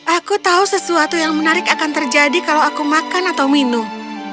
aku tahu sesuatu yang menarik akan terjadi kalau aku makan atau minum